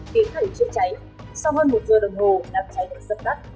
tiến thẳng chết cháy sau hơn một giờ đồng hồ đám cháy đã sập đắt